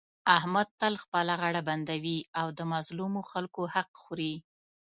احمد تل خپله غاړه بندوي او د مظلومو خلکو حق خوري.